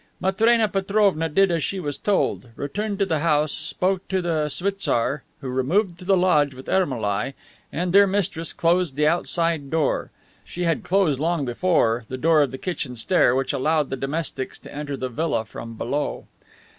Matrena Petrovna did as she was told, returned to the house, spoke to the schwitzar, who removed to the lodge with Ermolai, and their mistress closed the outside door. She had closed long before the door of the kitchen stair which allowed the domestics to enter the villa from below.